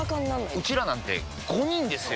ウチらなんて５人ですよ！